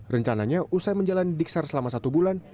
rencananya usai menjalani diksar selama satu bulan